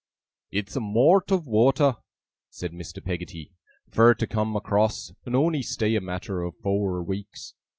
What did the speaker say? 'It's a mort of water,' said Mr. Peggotty, 'fur to come across, and on'y stay a matter of fower weeks.